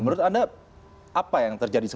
menurut anda apa yang terjadi